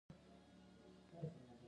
نجلۍ د پوهې شوق لري.